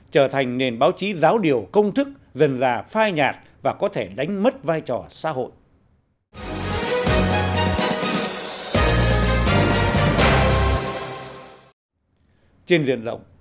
trở thành nền báo chí giáo điều công thức dần dà phai nhạt và có thể đánh mất vai trò xã hội